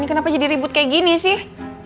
kenapa jadi ribut kayak gini sih